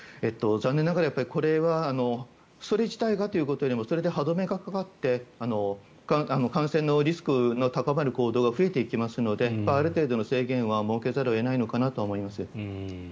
残念ながらそれ自体がということよりもそれで歯止めがかかって感染のリスクの高まる行動が増えていきますのである程度の制限は設けざるを得ないのかなと思います。